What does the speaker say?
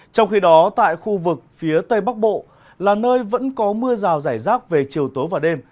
trong khi đó tại khu vực phía tây bắc bộ là nơi vẫn có mưa rào rải rác về chiều tối và đêm